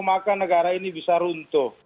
maka negara ini bisa runtuh